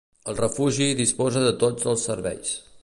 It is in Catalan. El refugi disposa de tots els serveis.